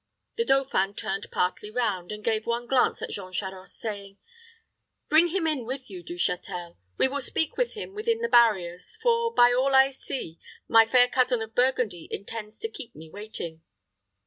The dauphin turned partly round, and gave one glance at Jean Charost, saying, "Bring him in with you, Du Châtel. We will speak with him within the barriers; for, by all I see, my fair cousin of Burgundy intends to keep me waiting."